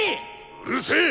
うるせえ！